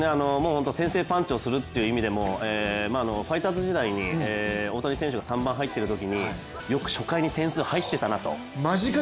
先制パンチをするという意味でも、ファイターズ時代に大谷選手が３番打っているときに、よく初回に点を取っていたなと。